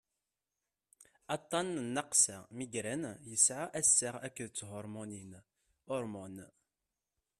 aṭṭan n nnaqsa migraine yesɛa assaɣ akked thurmunin hormones